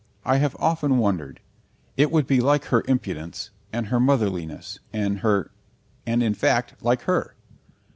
I have often wondered. It would be like her impudence, and her motherliness, and her and, in fact, like her.